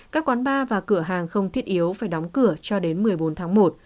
các quán bar và cửa hàng không thiết yếu phải đóng cửa cho đến một mươi bốn tháng một